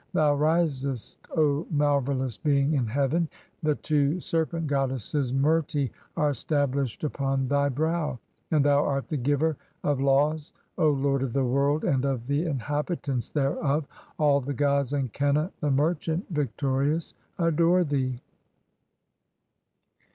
Thou risest, "O marvellous Being, 1 (15) in heaven, the two serpent goddesses "Merti are stahlished upon thy brow, and thou art the giver of "laws, O lord of the world and of the inhabitants thereof; (16) all "the gods and Qenna the merchant, victorious, adore thee."